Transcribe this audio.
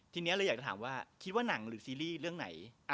ทีนี้เลยอยากจะถามว่าคิดว่าหนังหรือซีรีส์เรื่องไหน